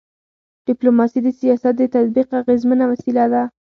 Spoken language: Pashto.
ډيپلوماسي د سیاست د تطبیق اغيزمنه وسیله ده.